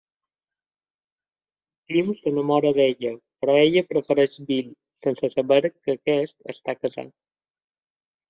Tim s'enamora d'ella, però ella prefereix Bill, sense saber que aquest està casat.